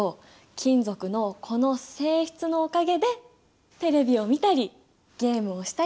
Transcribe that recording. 金属のこの性質のおかげでテレビを見たりゲームをしたりできるってわけ！